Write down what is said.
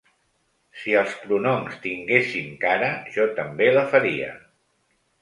Si els pronoms tinguéssim cara, jo també la faria.